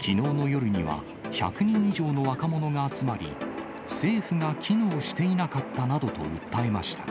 きのうの夜には１００人以上の若者が集まり、政府が機能していなかったなどと訴えました。